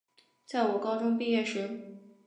在我高中毕业时